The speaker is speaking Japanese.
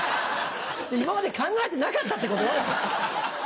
今まで考えてなかったってこと？